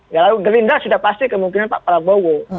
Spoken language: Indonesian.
ya lalu gerinda sudah pasti kemungkinan pak palabowo